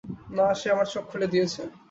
না, সে আমার চোখ খুলে দিয়েছে।